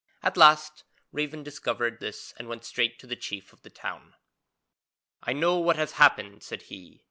At last Raven discovered this and went straight to the chief of the town. 'I know what has happened,' said he.